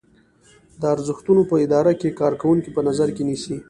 دا ارزښتونه په اداره کې کارکوونکي په نظر کې نیسي.